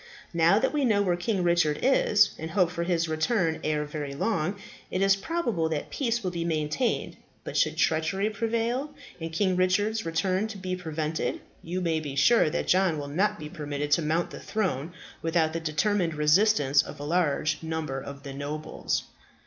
Now that we know where King Richard is, and hope for his return ere very long, it is probable that peace will be maintained; but should treachery prevail, and King Richard's return be prevented, you may be sure that John will not be permitted to mount the throne without the determined resistance of a large number of the nobles."